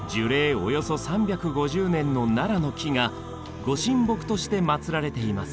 およそ３５０年のならの木が御神木として祭られています。